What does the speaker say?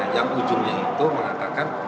yang ujungnya itu mengatakan